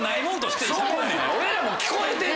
俺らも聞こえてんねん！